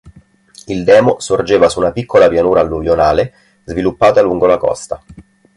Il demo sorgeva su una piccola pianura alluvionale sviluppata lungo la costa.